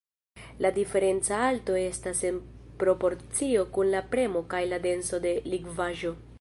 La diferenca alto estas en proporcio kun la premo kaj la denso de likvaĵo.